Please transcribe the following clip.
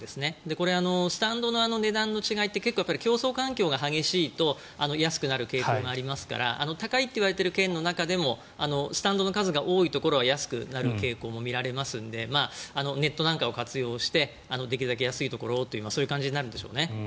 これはスタンドの値段の違いって結構、競争環境が激しいと安くなる傾向がありますから高いといわれている県の中でもスタンドの数が多いと安くなる傾向も見られますのでネットなんかを活用してできるだけ安いところをというそういう感じになるんでしょう。